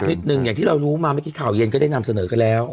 นิดหนึ่งอย่างที่เรารู้มาเมื่อกี้ข่าวเย็นก็ได้นำเสนอกันแล้ว